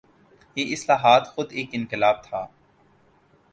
یہ اصلاحات خود ایک انقلاب تھا۔